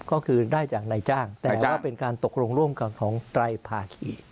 ก็คือได้จากนายจ้างแต่ว่าเป็นการตกลงร่วมกันของไตรภาคี